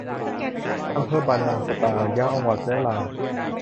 อำเภอบันนังสตา จังหวัดยะลา